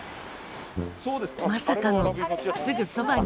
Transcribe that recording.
まさかのすぐそばに。